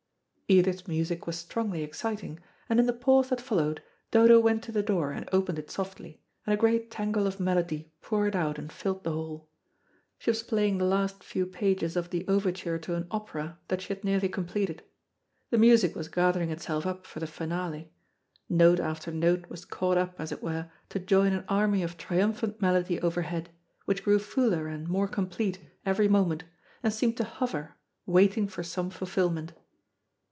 Edith's music was strongly exciting, and in the pause that followed, Dodo went to the door and opened it softly, and a great tangle of melody poured out and filled the hall. She was playing the last few pages of the overture to an opera that she had nearly completed. The music was gathering itself up for the finale. Note after note was caught up, as it were, to join an army of triumphant melody overhead, which grew fuller and more complete every moment, and seemed to hover, waiting for some fulfilment.